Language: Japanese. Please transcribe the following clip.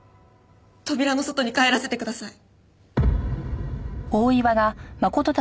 扉の外に帰らせてください。